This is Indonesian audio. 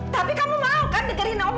tapi kamu mau kan dengerin omongan mama